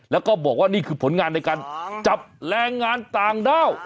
แล้วก็บอกว่านี่คือผลงานในการจับแรงงานต่างด้าว